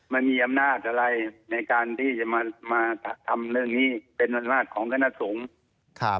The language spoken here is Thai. มันมีอำนาจอะไรในการที่จะมาทำเรื่องนี้เป็นอำนาจของคณะสงฆ์ครับ